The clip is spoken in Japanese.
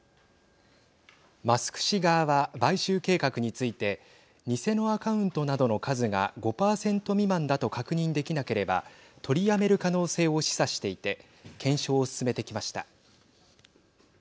マスク氏側は買収計画について偽のアカウントなどの数が５％未満だと確認できなければ取りやめる可能性を示唆していて検証を進めてきました。